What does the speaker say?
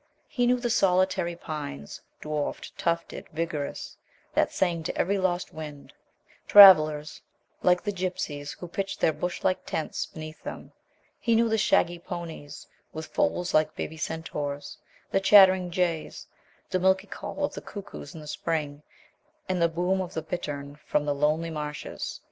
He knew the solitary pines, dwarfed, tufted, vigorous, that sang to every lost wind, travelers like the gypsies who pitched their bush like tents beneath them; he knew the shaggy ponies, with foals like baby centaurs; the chattering jays, the milky call of the cuckoos in the spring, and the boom of the bittern from the lonely marshes.